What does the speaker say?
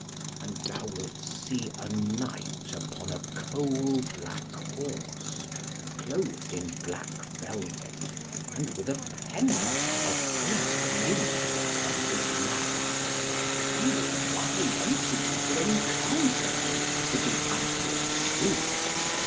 And thou wilt see a knight upon a coal black horse, clothed in black velvet, and with a pennon of black linen upon his lance, and he will ride unto thee to encounter thee, with the utmost speed.